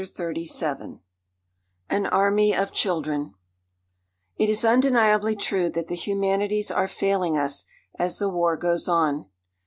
CHAPTER XXXVII AN ARMY OF CHILDREN It is undeniably true that the humanities are failing us as the war goes on.